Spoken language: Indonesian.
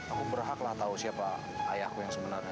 aku berhak lah tau siapa ayahku yang sebenarnya